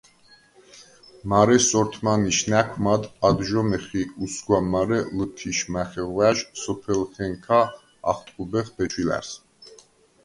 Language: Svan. მარე სორთმანიშ ნა̈ქვ მად ადჟომეხ ი უსგვა მარე ლჷთიშ მახეღვა̈ჟ სოფელხენქა ახტყუბეხ ბეჩვილა̈რს.